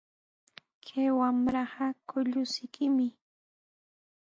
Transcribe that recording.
Kay wamraqa kullusikimi.